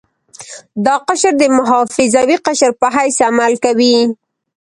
دا قشر د محافظوي قشر په حیث عمل کوي.